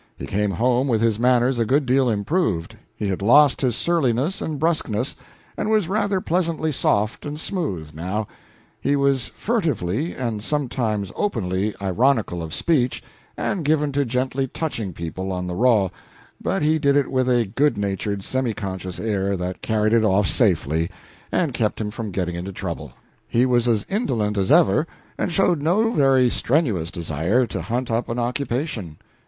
He came home with his manners a good deal improved; he had lost his surliness and brusqueness, and was rather pleasantly soft and smooth, now; he was furtively, and sometimes openly, ironical of speech, and given to gently touching people on the raw, but he did it with a good natured semiconscious air that carried it off safely, and kept him from getting into trouble. He was as indolent as ever and showed no very strenuous desire to hunt up an occupation.